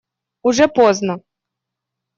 Уже поздно.